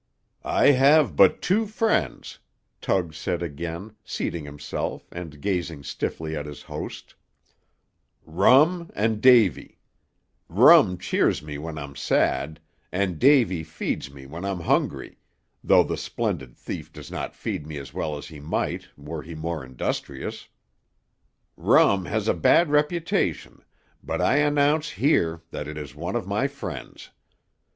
"I have but two friends," Tug said again, seating himself, and gazing stiffly at his host, "Rum and Davy; rum cheers me when I'm sad, and Davy feeds me when I'm hungry, though the splendid thief does not feed me as well as he might were he more industrious. Rum has a bad reputation, but I announce here that it is one of my friends.